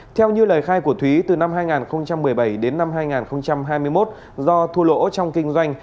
theo như lời khai của thúy từ năm hai nghìn một mươi bảy đến năm hai nghìn hai mươi một do thua lỗ trong kinh doanh